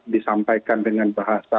disampaikan dengan bahasa